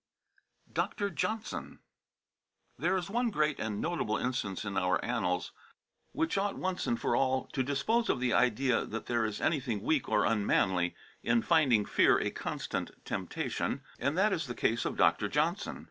XI DR. JOHNSON There is one great and notable instance in our annals which ought once and for all to dispose of the idea that there is anything weak or unmanly in finding fear a constant temptation, and that is the case of Dr. Johnson.